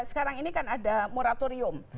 sekarang ini kan ada moratorium